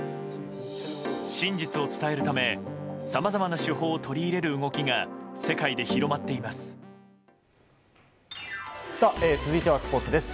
真実を伝えるためさまざまな手法を取り入れる動きが世界で広まっています。